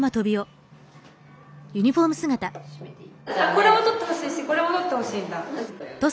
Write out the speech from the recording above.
これも撮ってほしいしこれも撮ってほしいんだ。